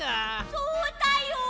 そうだよ！